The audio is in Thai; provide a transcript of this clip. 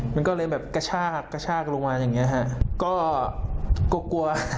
มันก็เลยแบบกระชากกระชากลงมาอย่างเงี้ฮะก็กลัวกลัว